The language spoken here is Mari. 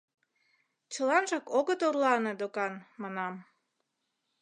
— Чыланжак огыт орлане, докан, манам...